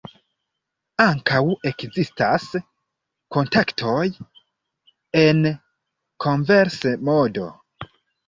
Ankaŭ ekzistas kontaktoj en konvers-modo.